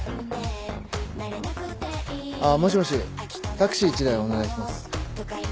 あっもしもしタクシー１台お願いします。